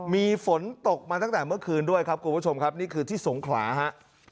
มีฝนตกมาตั้งแต่เมื่อคืนด้วยครับคุณผู้ชมครับนี่คือที่สงขลาฮะ